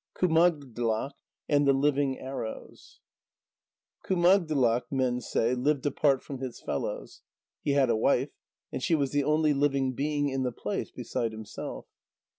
KUMAGDLAK AND THE LIVING ARROWS Kumagdlak, men say, lived apart from his fellows. He had a wife, and she was the only living being in the place beside himself.